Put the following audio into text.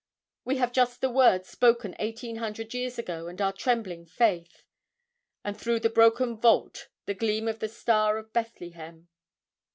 We have just the word spoken eighteen hundred years ago, and our trembling faith. And through the broken vault the gleam of the Star of Bethlehem.